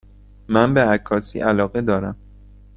من به عکاسی علاقه دارم.